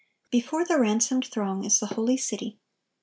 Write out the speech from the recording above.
(1119) Before the ransomed throng is the holy city.